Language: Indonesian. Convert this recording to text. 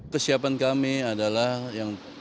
kesiapan kami adalah yang